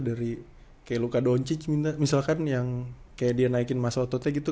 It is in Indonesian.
dari kayak luka donci misalkan yang kayak dia naikin masa ototnya gitu